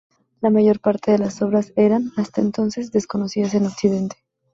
La mayor parte de las obras eran, hasta ese entonces, desconocidas en occidente.